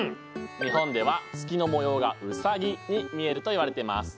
日本では月の模様がウサギに見えるといわれてます。